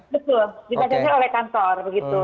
betul dibatasi oleh kantor begitu